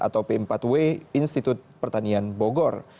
atau p empat w institut pertanian bogor